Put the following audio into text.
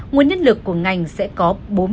nguồn nhân lực của ngành sẽ có